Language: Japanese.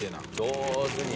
上手に。